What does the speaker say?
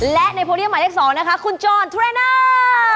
และในโพเดียมใหม่เล็ก๒นะคะคุณจอร์นเทรนเนอร์